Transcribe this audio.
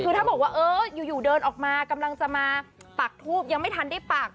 คือถ้าบอกว่าเอออยู่เดินออกมากำลังจะมาปักทูบยังไม่ทันได้ปัก